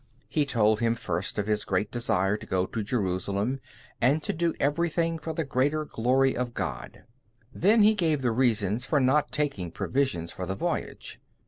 He told him first of his great desire to go to Jerusalem, and to do everything for the greater glory of God. Then he gave the reasons for not taking provisions for the voyage.